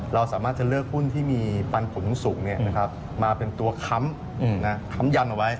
เราสามารถจะเลือกหุ้นที่มีปันผลสูงมาเป็นตัวค้ำค้ำยันเอาไว้